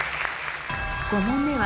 ５問目は